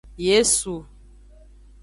Yesu.